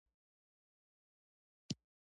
دوه ، دوه نيم زره کسان ښکارېدل.